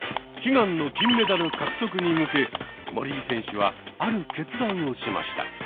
悲願の金メダル獲得に向け森井選手はある決断をしました。